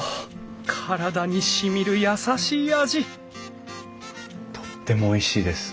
体にしみる優しい味とってもおいしいです。